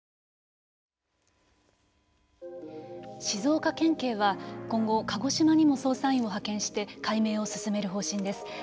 静岡県警は今後、鹿児島にも捜査員を派遣して解明を進める方針です。